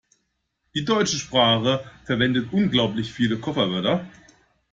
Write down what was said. Die deutsche Sprache verwendet unglaublich viele Kofferwörter.